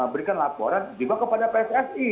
berikan laporan juga kepada pssi